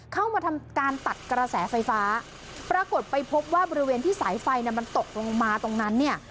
เข้ามาทำการตัดกระแสไฟฟ้าปรากฏไปพบว่าบริเวณที่สายไฟเนี่ยมันตกลงมาตรงนั้นเนี่ย